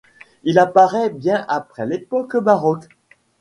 Il apparaît bien après l'époque baroque.